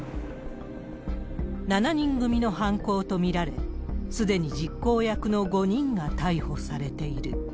７人組の犯行と見られ、すでに実行役の５人が逮捕されている。